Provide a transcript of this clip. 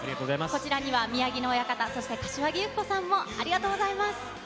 こちらには、宮城野親方、そして柏木由紀子さんもありがとうございます。